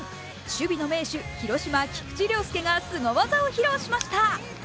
守備の名手、広島・菊池涼介がすご技を披露しました。